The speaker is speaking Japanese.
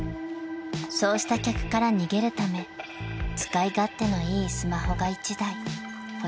［そうした客から逃げるため使い勝手のいいスマホが１台欲しかったそうです］